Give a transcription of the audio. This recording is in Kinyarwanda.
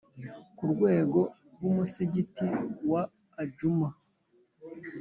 ku rwego rw umusigiti wa Idjuma